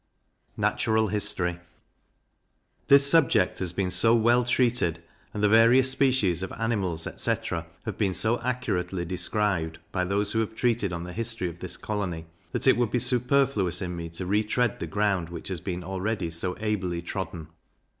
Natural History. This subject has been so well treated, and the various species of animals, etc. have been so accurately described, by those who have treated on the history of this colony, that it would be superfluous in me to re tread the ground which has been already so ably trodden.